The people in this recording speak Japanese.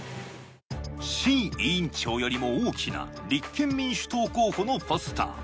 志位委員長よりも大きな立憲民主党候補のポスター。